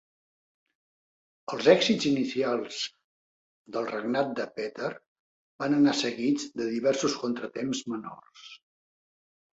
Els èxits inicials del regnat de Petar van anar seguits de diversos contratemps menors.